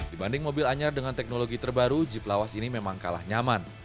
dibanding mobil anyar dengan teknologi terbaru jeep lawas ini memang kalah nyaman